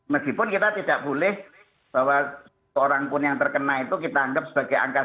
meskipun kita tidak boleh bahwa seorang pun yang terkena itu kita anggap sebagai angka satu